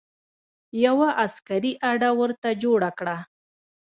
یوه عسکري اډه ورته جوړه کړه.